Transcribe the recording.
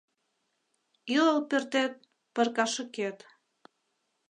Ӱлыл пӧртет — пыркашыкет